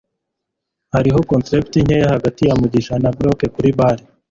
Hariho contretemps nkeya hagati ya Mugisha na bloke kuri bar